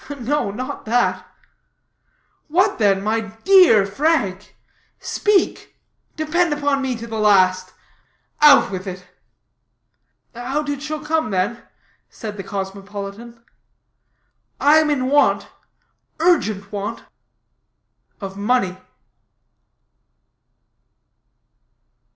"No, not that." "What, then, my dear Frank? Speak depend upon me to the last. Out with it." "Out it shall come, then," said the cosmopolitan. "I am in want, urgent want, of money."